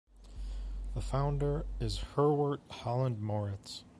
The founder is Herwart Holland Moritz.